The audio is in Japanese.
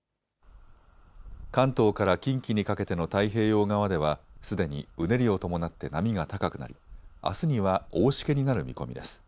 関東から近畿にかけての太平洋側ではすでにうねりを伴って波が高くなりあすには大しけになる見込みです。